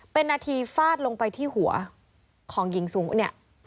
เป็นนาทีฟาดลงไปที่หัวของหญิงสูงเนี่ย